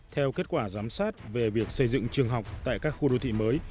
theo kết quả giám sát về việc xây dựng trường học tại các khu đô thị mới